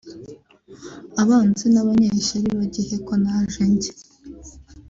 abanzi n’abanyeshyari bajyehe ko naje nje